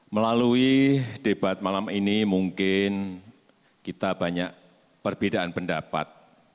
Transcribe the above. melalui debat malam ini mungkin kita banyak perbedaan pendapat